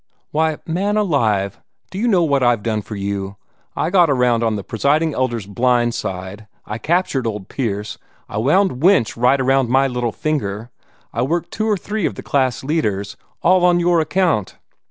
"Why, man alive, do you know what I've done for you? I got around on the Presiding Elder's blind side, I captured old Pierce, I wound Winch right around my little finger, I worked two or three of the class leaders all on your account.